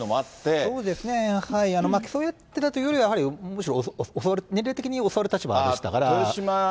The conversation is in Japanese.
そうですね、競い合ってたというよりは、やはり、むしろ年齢的に教わる立場でしたから。